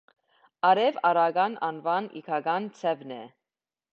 Արև արական անվան իգական ձևն է։